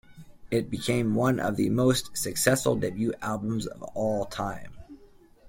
It became one of the most successful debut albums of all time.